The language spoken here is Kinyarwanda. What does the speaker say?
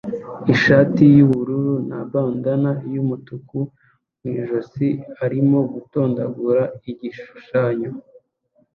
ishati yubururu na bandanna yumutuku mu ijosi arimo gutondagura igishushanyo